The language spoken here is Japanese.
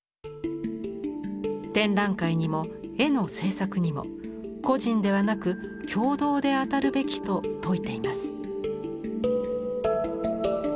展覧会にも絵の制作にも個人ではなく共同で当たるべきと説いています。